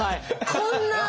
こんな！